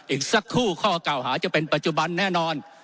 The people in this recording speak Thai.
อีกสักครู่ข้อเก่าหาจะเป็นปัจจุบันแน่นอน